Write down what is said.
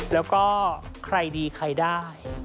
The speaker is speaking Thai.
แล้วก็ใครดีใครได้